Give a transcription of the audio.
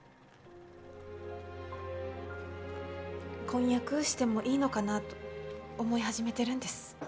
婚約してもいいのかなと思い始めてるんです。